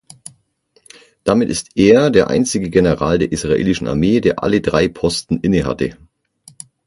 Damit ist er der einzige General der israelischen Armee, der alle drei Posten innehatte.